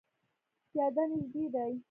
پیاده نږدې دی